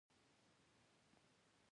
منی د افغانانو د فرهنګي پیژندنې برخه ده.